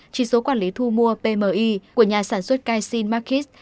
chỉ số quản lý thu mua pmi của nhà sản xuất kaixin markit